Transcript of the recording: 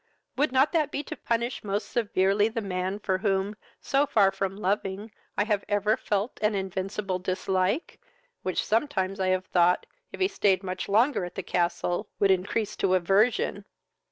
Would not that be to punish most severely the man for whom, so far from loving, I have ever felt an invincible dislike, which sometimes I have thought, if he stayed much longer at the castle, would increase to aversion."